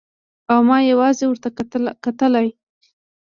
او ما يوازې ورته کتلای.